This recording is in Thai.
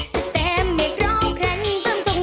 แต่เมียร้องครั้งเบิ้มตรงเนี่ย